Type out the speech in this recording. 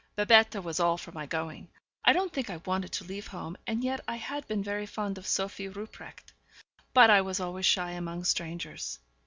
Babette was all for my going; I don't think I wanted to leave home, and yet I had been very fond of Sophie Rupprecht. But I was always shy among strangers.